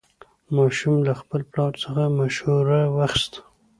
ماشوم له خپل پلار څخه مشوره واخیسته